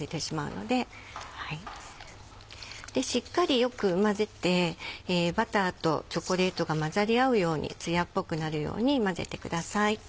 でしっかりよく混ぜてバターとチョコレートが混ざり合うようにつやっぽくなるように混ぜてください。